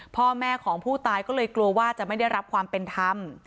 พ่อแม่ของผู้ตายก็เลยกลัวว่าจะไม่ได้รับความเป็นธรรม